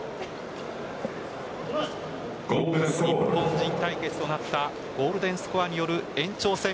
日本人対決となったゴールデンスコアによる延長戦。